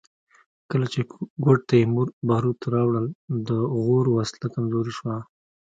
کله چې ګوډ تیمور باروت راوړل د غور وسله کمزورې شوه